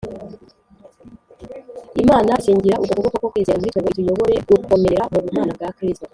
. Imana isingira uko kuboko ko kwizera muri twe ngo ituyobore gukomerera mu bumana bwa Kristo